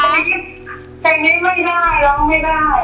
แต่ยิ้มไม่ได้ร้องไม่ได้